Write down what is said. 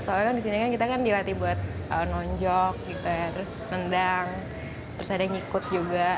soalnya kan disini kita dilatih buat nonjok nendang terus ada yang ikut juga